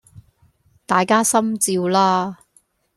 大家心照啦